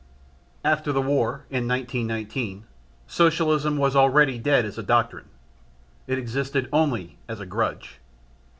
After the War, in 1919, Socialism was already dead as a doctrine: it existed only as a grudge.